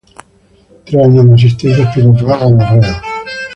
Tres años de asistencia espiritual a los reos".